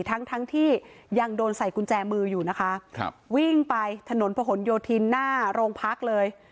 ทั้งทั้งที่ยังโดนใส่กุญแจมืออยู่นะคะครับวิ่งไปถนนพะหนโยธินหน้าโรงพักเลย